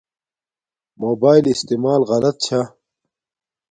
موباݵل استعمال غلط چھا